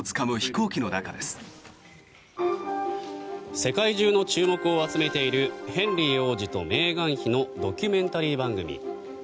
世界中の注目を集めているヘンリー王子とメーガン妃のドキュメンタリー番組。